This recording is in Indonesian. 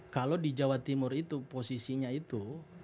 kalau di jawa timur itu posisinya itu